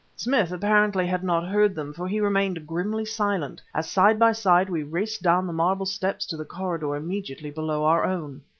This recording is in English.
Smith apparently had not heard them, for he remained grimly silent, as side by side we raced down the marble stairs to the corridor immediately below our own.